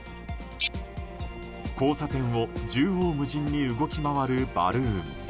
交差点を縦横無尽に動き回るバルーン。